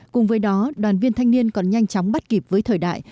cùng với đó đoàn viên thanh niên còn nhanh chóng bắt kịp với thời đại